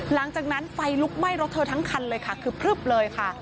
หลังจากนั้นไฟลุกไหม้รถเธอทั้งคันเลยค่ะคือพลึบเลยค่ะ